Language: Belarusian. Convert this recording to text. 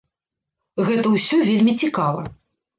Гэта ўсё вельмі цікава.